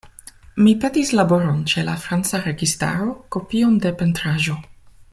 Mi petis laboron ĉe la franca registaro, kopion de pentraĵo.